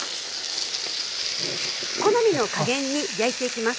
好みの加減に焼いていきます。